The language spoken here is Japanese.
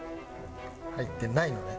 入ってないのね。